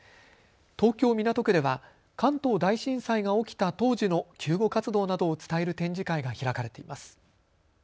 東京港区では関東大震災が起きた当時の救護活動などを伝える展示会が開かれています。